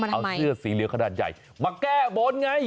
เอาเสื้อสีเหลืองขนาดใหญ่มาแก้บนไง